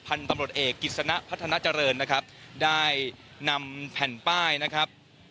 ตำรวจเอกกิจสนะพัฒนาเจริญนะครับได้นำแผ่นป้ายนะครับ